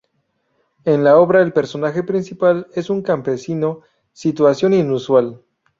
En la obra el personaje principal es un campesino, situación inusual.